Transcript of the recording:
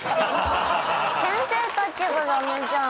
先生たちが駄目じゃん。